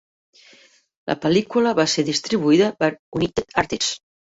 La pel·lícula va ser distribuïda per United Artists.